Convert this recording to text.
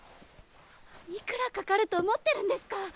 いくらかかると思ってるんですか！